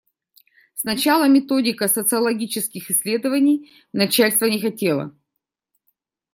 Сначала методика социологических исследований, начальство не хотело.